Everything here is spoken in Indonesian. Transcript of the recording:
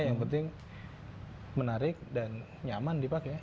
yang penting menarik dan nyaman dipakai ya